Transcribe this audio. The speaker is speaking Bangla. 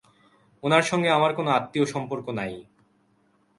ওনার সঙ্গে আমার কোনো আত্মীয়সম্পর্ক নাই।